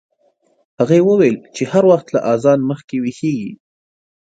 هغې وویل چې هر وخت له اذان مخکې ویښیږي.